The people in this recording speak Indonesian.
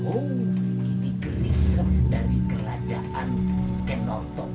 oh ini keris dari kerajaan kenolto